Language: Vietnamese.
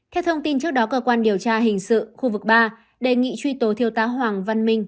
theo thông tin trước đó cơ quan điều tra hình sự khu vực ba đề nghị truy tố thiếu tá hoàng văn minh